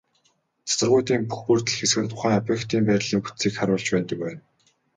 Цацрагуудын бүх бүрдэл хэсэг нь тухайн объектын байрлалын бүтцийг харуулж байдаг байна.